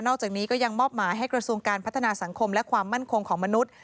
จากนี้ก็ยังมอบหมายให้กระทรวงการพัฒนาสังคมและความมั่นคงของมนุษย์